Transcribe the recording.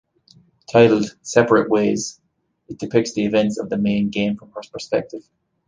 Titled "Separate Ways", it depicts the events of the main game from her perspective.